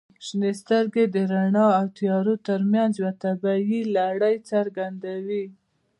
• شنې سترګې د رڼا او تیارو ترمنځ یوه طبیعي لړۍ څرګندوي.